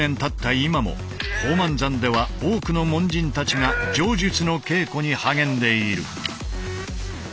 今も宝満山では多くの門人たちが杖術の稽古に励んでいる。